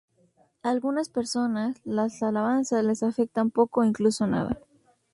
A algunas personas las alabanzas les afectan poco o incluso nada.